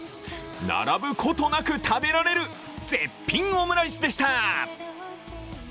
並ぶことなく食べられる絶品オムライスでした。